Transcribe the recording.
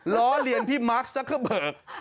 ล้อเลียนพี่มาร์คซักเกอร์เบิก